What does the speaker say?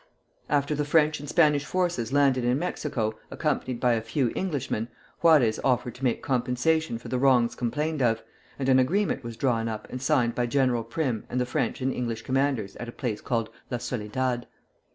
After the French and Spanish forces landed in Mexico, accompanied by a few Englishmen, Juarez offered to make compensation for the wrongs complained of, and an agreement was drawn up and signed by General Prim and the French and English commanders at a place called La Soledad.